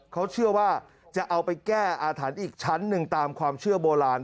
เขาเชื่อว่าจะเอาไปแก้อาถรรพ์อีกชั้นหนึ่งตามความเชื่อโบราณ